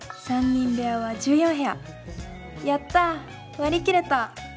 やった割り切れた！